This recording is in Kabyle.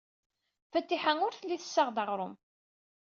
Fatiḥa ur telli tessaɣ-d aɣrum.